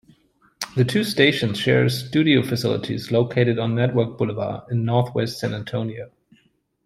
The two stations share studio facilities located on Network Boulevard in Northwest San Antonio.